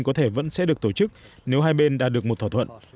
có thể vẫn sẽ được tổ chức nếu hai bên đã được một thỏa thuận